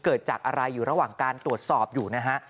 เกิดจากอะไรอยู่ระหว่างการตรวจสอบอยู่นะฮะ